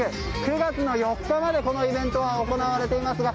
９月４日までこのイベントは行われていますが